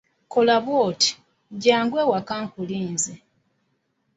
Kola bw'oti, jjangu ewaka nkulinze.